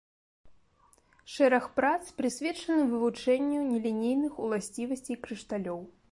Шэраг прац прысвечаны вывучэнню нелінейных уласцівасцей крышталёў.